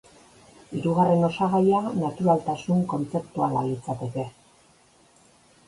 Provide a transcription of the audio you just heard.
Hirugarren osagaia naturaltasun kontzeptuala litzateke.